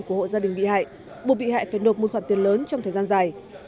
của hộ gia đình bị hại buộc bị hại phải nộp một khoản tiền lớn trong thời gian dài